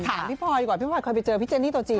พี่พลอยก่อนพี่พลอยเคยไปเจอพี่เจนี่ตัวจี